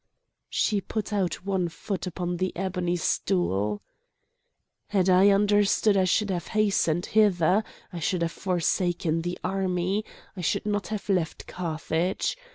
She put out one foot upon the ebony stool. "Had I understood I should have hastened hither, I should have forsaken the army, I should not have left Carthage.